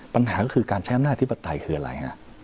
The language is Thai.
ปัญหาก็คือการใช้อำนาจธิปไตยคืออะไรฮะ